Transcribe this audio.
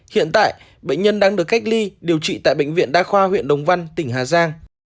hiện tại bệnh nhân đang được cách ly điều trị tại bệnh viện đa khoa huyện đồng văn tỉnh hà giang